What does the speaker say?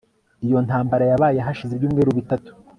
Iyo ntambara yabaye hashize ibyumweru bitatu